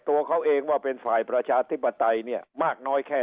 ตัวเขาเองว่าเป็นฝ่ายประชาธิปไตยเนี่ยมากน้อยแค่